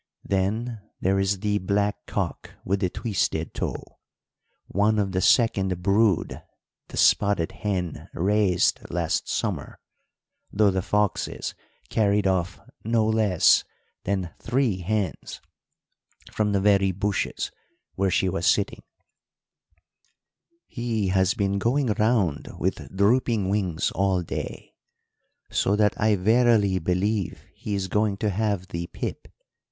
Then there is the black cock with the twisted toe one of the second brood the spotted hen raised last summer, though the foxes carried off no less than three hens from the very bushes where she was sitting he has been going round with drooping wings all day, so that I verily believe he is going to have the pip.